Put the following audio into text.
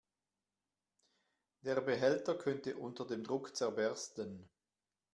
Der Behälter könnte unter dem Druck zerbersten.